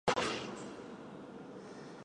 弗龙蒂尼昂德科曼热。